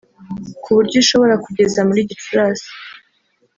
ku buryo ishobora kugeza muri Gicurasi